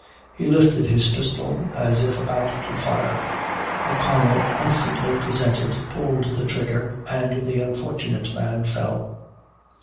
He lifted his pistol, as if about to fire. O'Connell instantly presented, pulled the trigger, and the unfortunate man fell.